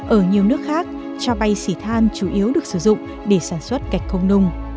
ở nhiều nước khác cho bay xỉ than chủ yếu được sử dụng để sản xuất gạch không nung